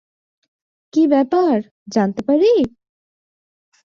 কি ব্যাপার জানতে পারি?